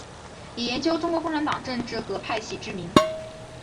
以研究中国共产党政治和派系知名。